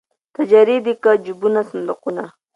تجرۍ دي که جېبونه صندوقونه